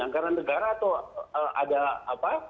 anggaran negara atau ada apa